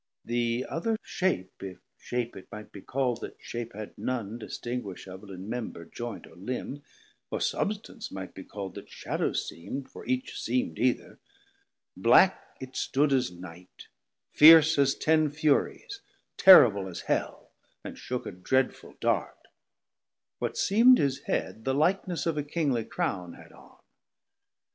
The other shape, If shape it might be call'd that shape had none Distinguishable in member, joynt, or limb, Or substance might be call'd that shadow seem'd, For each seem'd either; black it stood as Night, 670 Fierce as ten Furies, terrible as Hell, And shook a dreadful Dart; what seem'd his head The likeness of a Kingly Crown had on.